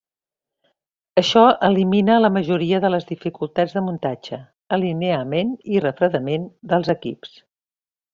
Això elimina la majoria de les dificultats de muntatge, alineament i refredament dels equips.